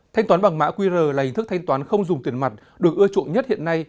thanh toán bằng mã qr là hình thức thanh toán không dùng tiền mặt được ưa chuộng nhất hiện nay